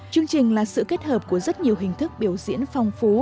chương trình là sự kết hợp của rất nhiều hình thức biểu diễn phong phú